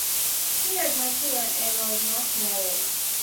He had no children and was not married.